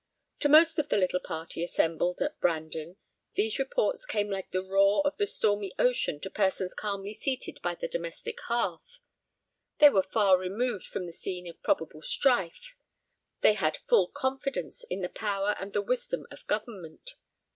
To most of the little party assembled at Brandon, these reports came like the roar of the stormy ocean to persons calmly seated by the domestic hearth. They were far removed from the scene of probable strife; they had full confidence in the power and the wisdom of government.